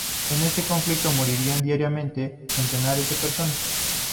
En este conflicto morían diariamente centenares de personas.